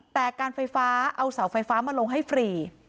แต่การไฟฟ้าเอาเสาไฟฟ้ามาลงให้ฟรี